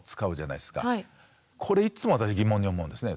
これいつも私疑問に思うんですね。